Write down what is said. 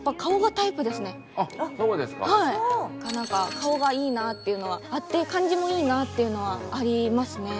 顔がいいなっていうのはあって感じもいいなっていうのはありますね。